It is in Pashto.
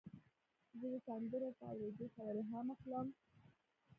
زه د سندرو په اورېدو سره الهام اخلم.